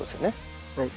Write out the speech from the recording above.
はい。